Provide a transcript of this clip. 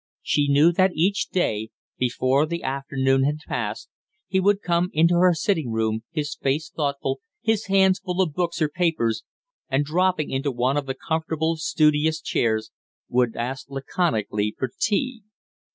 She knew that each day, before the afternoon had passed, he would come into her sitting room, his face thoughtful, his hands full of books or papers, and, dropping into one of the comfortable, studious chairs, would ask laconically for tea.